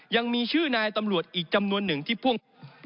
ยังมีชื่อนายตำรวจอีกจำนวนหนึ่งที่พ่วง